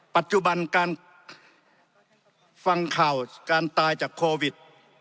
ปัจจุบันการฟังข่าวการตายจากโควิด